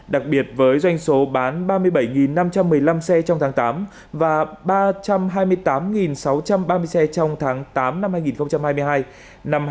đặc biệt với doanh số bán ba mươi bảy năm trăm một mươi năm xe trong tháng tám và ba trăm hai mươi tám sáu trăm ba mươi xe trong tháng tám năm hai nghìn hai mươi hai